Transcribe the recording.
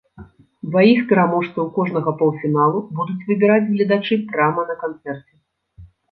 Дваіх пераможцаў кожнага паўфіналу будуць выбіраць гледачы прама на канцэрце.